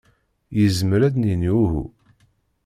Yezmer ad d-nini uhu?